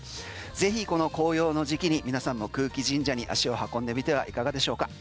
ぜひこの紅葉の時期に皆さんも空気神社に足を運んでみてはいかがでしょうか？